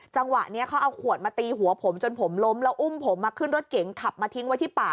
จังหวะนี้เขาเอาขวดมาตีหัวผมจนผมล้มแล้วอุ้มผมมาขึ้นรถเก๋งขับมาทิ้งไว้ที่ป่า